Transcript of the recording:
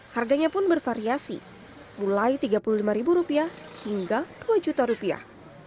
harganya pun bervariasi mulai tiga puluh lima ribu rupiah hingga dua juta rupiah